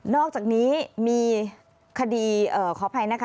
อกจากนี้มีคดีขออภัยนะคะ